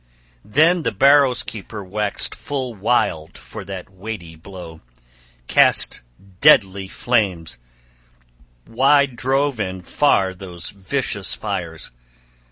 Then the barrow's keeper waxed full wild for that weighty blow, cast deadly flames; wide drove and far those vicious fires.